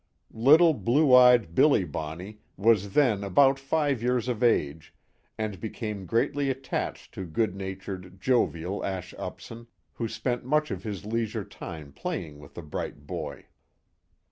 Little, blue eyed, Billy Bonney, was then about five years of age, and became greatly attached to good natured, jovial, Ash Upson, who spent much of his leisure time playing with the bright boy.